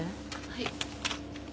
はい。